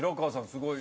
すごい。